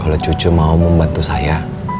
kalau cucu mau membantu saya